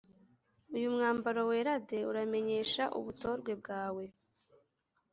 Uyu mwambaro werade uramenyesha ubutorwe bwawe